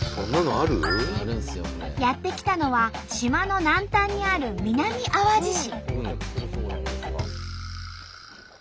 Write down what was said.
やって来たのは島の南端にある南あわじ市。